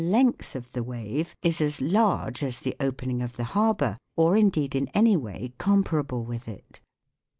length of the wave is as large as the opening of the harbour, or in deed in any way comparable with it.